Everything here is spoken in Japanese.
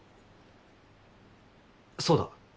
そうだ。